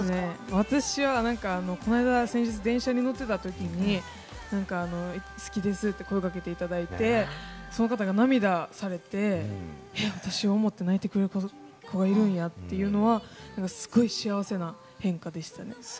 私は、この間、電車に乗ったときに、好きですって声かけていただいて、その方が涙されて、私を思って泣いてくれることがあるんだって、すごく幸せな変化でしたね。